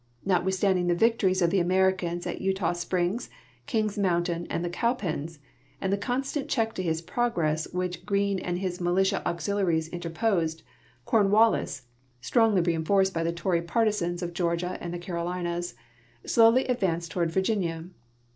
Notwithstanding the vic tories of the Americans at Eutaw Springs, Kings Mountain, and the Cowpens and the constant check to his progress which Greene and his militia auxiliaries interposed, Cornwallis (strongly rein forced by the tory partisans of Georgia and the Carolinas) slowly advanced toward Virginia.